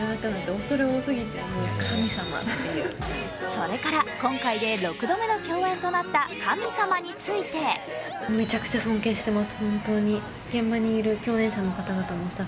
それから今回で６度目の共演となった神様について映画は明日公開です。